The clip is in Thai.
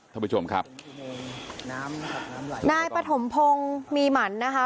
ท่านผู้ชมครับนายปฐมพงศ์มีหมั่นนะคะ